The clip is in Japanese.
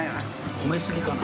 褒め過ぎかな？